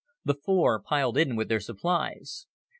The four piled in with their supplies.